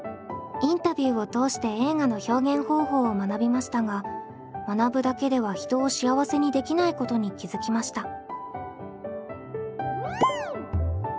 インタビューを通して映画の表現方法を学びましたが学ぶだけでは人を幸せにできないことに気付きました。